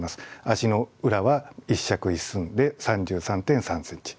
足の裏は「一尺一寸」で３３．３センチ。